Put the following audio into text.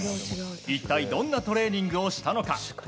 一体どんなトレーニングをしたのか。